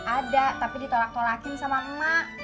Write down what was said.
ada tapi ditolak tolakin sama emak